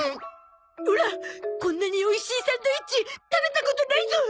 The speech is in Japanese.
オラこんなにおいしいサンドイッチ食べたことないゾ！